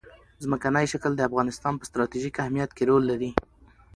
ځمکنی شکل د افغانستان په ستراتیژیک اهمیت کې رول لري.